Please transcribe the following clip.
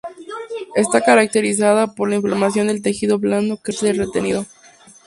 Está caracterizada por la inflamación del tejido blando que rodea el diente retenido.